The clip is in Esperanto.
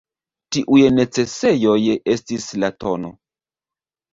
Tiuj necesejoj estis la tn.